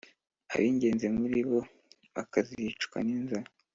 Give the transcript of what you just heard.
Ab’ingenzi muri bo bakazicwa n’inzara,